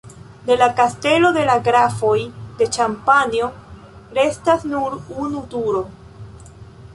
De la kastelo de la Grafoj de Ĉampanjo restas nur unu turo.